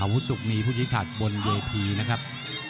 อาวุธสุคนีฤหาภุชิษฐร์บนเวทีนะครับ